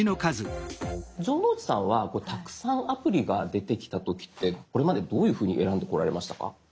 城之内さんはたくさんアプリが出てきた時ってこれまでどういうふうに選んでこられましたか？